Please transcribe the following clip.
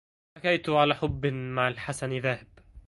بكيت على حب مع الحسن ذاهب